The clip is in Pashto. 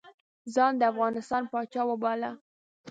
ځان د افغانستان پاچا وباله.